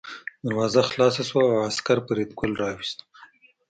دروازه خلاصه شوه او عسکر فریدګل راوست